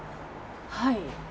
はい。